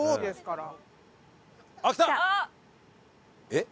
えっ？